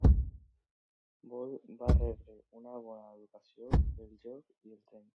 Va rebre una bona educació pel lloc i el temps.